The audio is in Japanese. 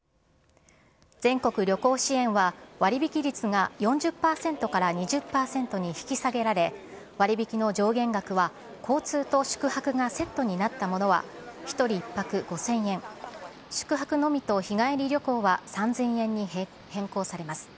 全国旅行支援は、割引率が４０％から２０％に引き下げられ、割り引きの上限額は、交通と宿泊がセットになったものは１人１泊５０００円、宿泊のみと日帰り旅行は、３０００円に変更されます。